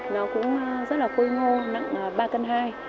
nó cũng rất là phôi ngô nặng ba cân hai